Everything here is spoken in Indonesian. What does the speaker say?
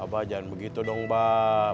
abah jangan begitu dong bah